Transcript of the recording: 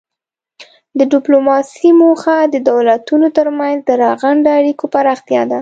د ډیپلوماسي موخه د دولتونو ترمنځ د رغنده اړیکو پراختیا ده